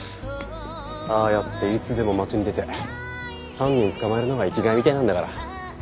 ああやっていつでも街に出て犯人捕まえるのが生きがいみたいなんだから。